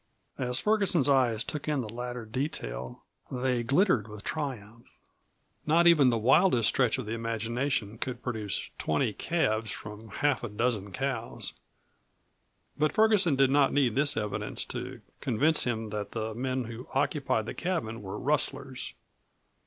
As Ferguson's eyes took in the latter detail, they glittered with triumph. Not even the wildest stretch of the imagination could produce twenty calves from half a dozen cows. But Ferguson did not need this evidence to convince him that the men who occupied the cabin were rustlers.